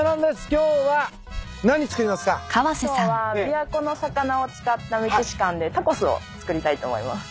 今日は琵琶湖の魚を使ったメキシカンでタコスを作りたいと思います。